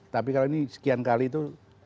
tapi kalau ini sekian kali itu